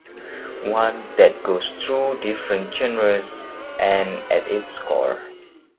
One that goes through different genres and at its core.